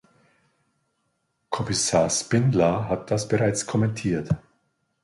Kommissar Špidla hat das bereits kommentiert.